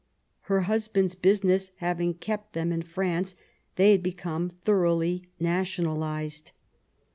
Her husband's business having kept them in France, they had become thoroughly nationalized.